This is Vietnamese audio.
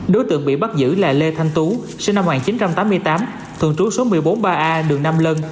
đối tượng bị bắt giữ là lê thanh tú sinh năm một nghìn chín trăm tám mươi tám thường trú số một mươi bốn ba a đường nam lân